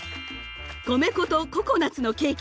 米粉とココナツのケーキのこと。